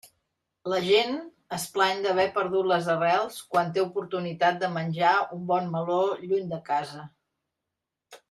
La gent es plany d'haver perdut les arrels quan té oportunitat de menjar un bon meló lluny de casa.